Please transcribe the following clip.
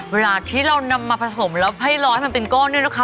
เวลาที่เรานำมาผสมแล้วให้ร้อยมันเป็นก้อนเนี่ยนะคะ